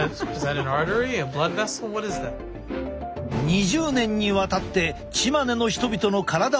２０年にわたってチマネの人々の体を研究してきた。